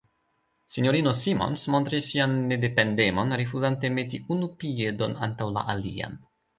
S-ino Simons montris sian nedependemon, rifuzante meti unu piedon antaŭ la alian.